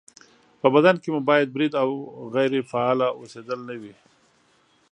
په بدن کې مو باید برید او غیرې فعاله اوسېدل نه وي